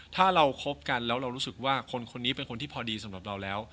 ถ้าเราคบกันแล้วเรารู้สึกว่าคนคนนี้เป็นคนที่พอดีสำหรับเราแล้ว